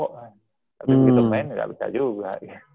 tapi kita main gak bisa juga